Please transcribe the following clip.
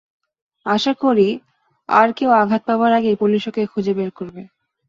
আশা করি, আর কেউ আঘাত পাবার আগেই পুলিশ ওকে খুঁজে বের করবে।